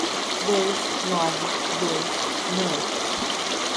Dois, nove, dois, não.